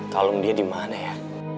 kalo dia dimana ya